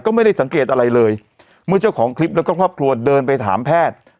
ก็ไม่ได้สังเกตอะไรเลยเมื่อเจ้าของคลิปแล้วก็ครอบครัวเดินไปถามแพทย์